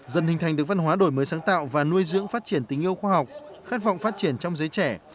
dần hình thành được văn hóa đổi mới sáng tạo và nuôi dưỡng phát triển tình yêu khoa học khát vọng phát triển trong giới trẻ